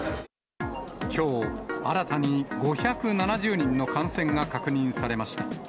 きょう新たに５７０人の感染が確認されました。